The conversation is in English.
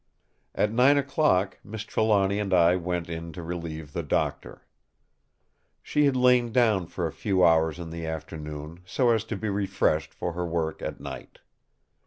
At nine o'clock Miss Trelawny and I went in to relieve the Doctor. She had lain down for a few hours in the afternoon so as to be refreshed for her work at night.